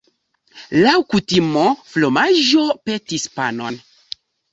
Laŭ kutimo, fromaĝo petis panon.